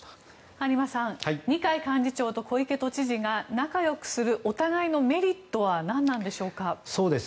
有馬さん二階幹事長と小池都知事が仲よくするお互いのメリットは何なんでしょうか？